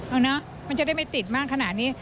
เอาเนอะมันจะได้ไม่ติดมากขนาดนี้